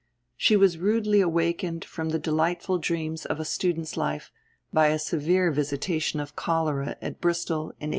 She was rudely awakened from the delightful dreams of a student's life by a severe visitation of cholera at Bristol in 1832.